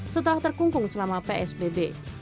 setelah terkungkung selama psbb